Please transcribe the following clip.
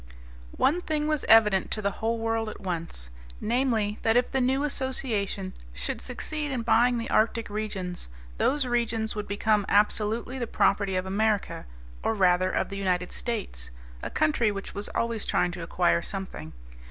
One thing was evident to the whole world at once, namely, that if the new association should succeed in buying the Arctic regions, those regions would become absolutely the property of America or rather of the United States, a country which was always trying to acquire something.